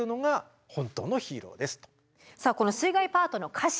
この水害パートの歌詞